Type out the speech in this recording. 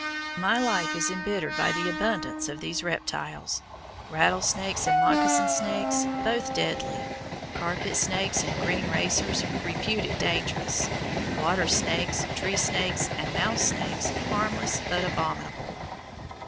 My life is embittered by the abundance of these reptiles rattlesnakes and moccasin snakes, both deadly, carpet snakes and "green racers," reputed dangerous, water snakes, tree snakes, and mouse snakes, harmless but abominable.